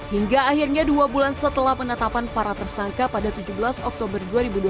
hingga akhirnya dua bulan setelah penetapan para tersangka pada tujuh belas oktober dua ribu dua puluh